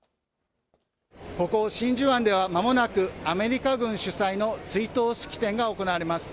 ここ、真珠湾ではまもなく、アメリカ軍主催の追悼式典が行われます。